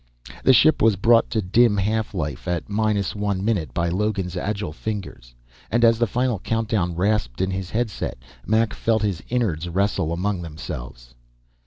The ship was brought to dim half life at minus one minute by Logan's agile fingers, and as the final countdown rasped in his headset, Mac felt his innards wrestle among themselves.